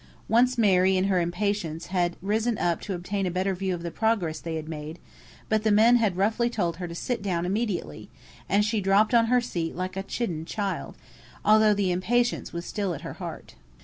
Once Mary in her impatience had risen up to obtain a better view of the progress they had made, but the men had roughly told her to sit down immediately, and she had dropped on her seat like a chidden child, although the impatience was still at her heart.